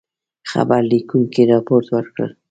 خبر لیکونکي رپوټ ورکړ.